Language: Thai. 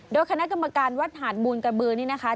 โดยคณะกรรมการวัดหาดมูลกระบือนี่นะคะ